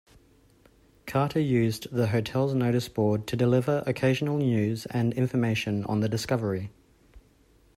Carter used the hotel's noticeboard to deliver occasional news and information on the discovery.